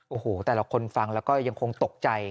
โอ้โหแต่ละคนฟังแล้วก็ยังคงตกใจ